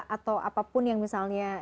atau apapun yang misalnya